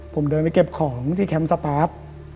ผมเดินไปเก็บของที่แคมป์สปาร์ค